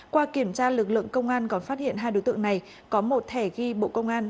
qua kiểm tra lực lượng công an còn phát hiện hai đối tượng này có một thẻ ghi bộ công an